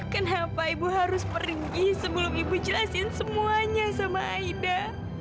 kenapa ibu harus pergi sebelum ibu jelasin semuanya sama aida